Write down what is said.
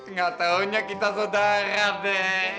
nggak taunya kita saudara be